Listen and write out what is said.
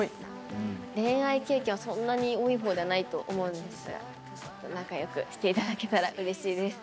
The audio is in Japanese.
恋愛経験はそんなに多い方ではないと思うんですが仲良くして頂けたら嬉しいです。